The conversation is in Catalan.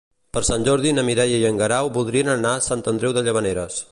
Per Sant Jordi na Mireia i en Guerau voldrien anar a Sant Andreu de Llavaneres.